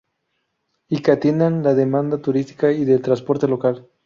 Y que atienden la demanda turística y de transporte local.